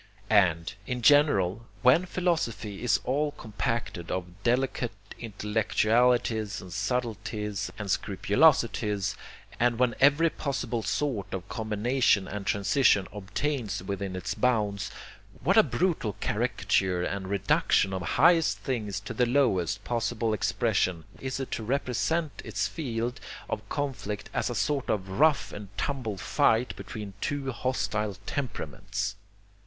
And, in general, when philosophy is all compacted of delicate intellectualities and subtleties and scrupulosities, and when every possible sort of combination and transition obtains within its bounds, what a brutal caricature and reduction of highest things to the lowest possible expression is it to represent its field of conflict as a sort of rough and tumble fight between two hostile temperaments!